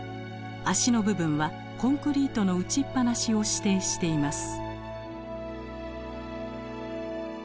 脚の部分はコンクリートの打ちっ放しを指定しています。